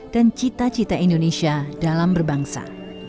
dan cita cita indonesia dalam berbangsa